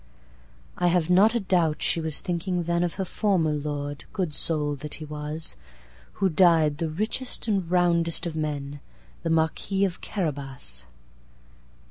I have not a doubt she was thinking thenOf her former lord, good soul that he was! Who died the richest and roundest of men, The Marquis of Carabas.